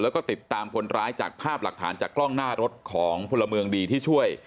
แล้วก็ติดตามคนร้ายจากภาพหลักฐานจากกล้องหน้ารถของพลเมืองดีที่ช่วย